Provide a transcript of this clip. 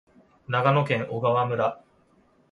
長野県小川村